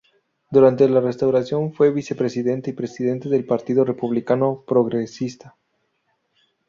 Durante la Restauración fue vicepresidente y presidente del Partido Republicano Progresista.